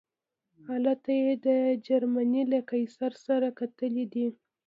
هلته یې د جرمني له قیصر سره کتلي دي.